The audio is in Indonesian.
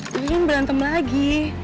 dia kan berantem lagi